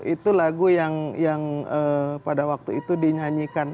itu lagu yang pada waktu itu dinyanyikan